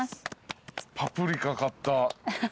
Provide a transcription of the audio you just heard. パプリカ買った。